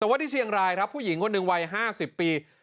แต่ว่าที่เชียงรายครับผู้หญิงคนหนึ่งวัย๕๐ปี